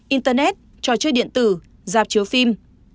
internet trò chơi điện tử dạp chứa phim